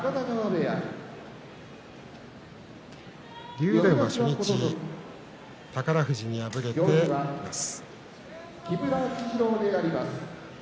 竜電は初日宝富士に敗れています。